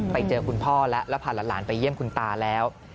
ไปเจอคุณพ่อแล้วแล้วพาหลานไปเยี่ยมคุณตาแล้ว